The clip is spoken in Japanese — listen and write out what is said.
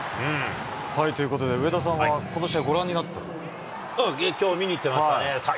ということで、上田さんはこの試合をご覧になってたと？きょう、見に行ってましたね。